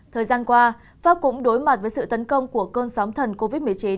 thời gian qua pháp cũng đối mặt với sự tấn công của cơn sóng thần covid một mươi chín